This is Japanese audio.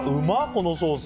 このソース！